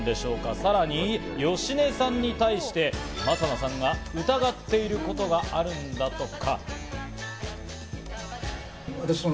さらに芳根さんに対して正名さんが疑っていることがあるんだとか。